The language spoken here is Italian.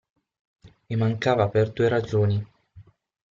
E mancava per due ragioni.